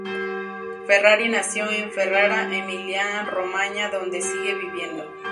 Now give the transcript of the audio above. Ferrari nació en Ferrara, Emilia-Romaña, donde sigue viviendo.